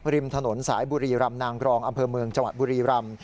ริมถนนสายบุรีรำนางกรองอำเภอเมืองจังหวัดบุรีรำ